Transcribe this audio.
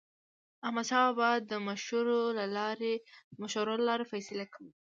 احمدشاه بابا به د مشورو له لارې فیصلې کولې.